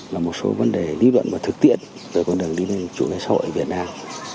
và một số vấn đề lý luận và thực tiện về con đường đi đến chủ đề xã hội việt nam